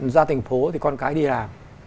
ra thành phố thì con cái đi làm